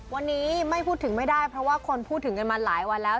วันนี้ไม่พูดถึงไม่ได้เพราะว่าคนพูดถึงกันมาหลายวันแล้ว